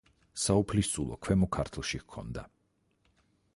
საუფლისწულო ქვემო ქართლში ჰქონდა.